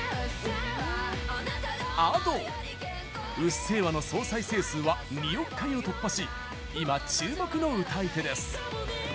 「うっせぇわ」の総再生数は２億回を突破し今、注目の歌い手です。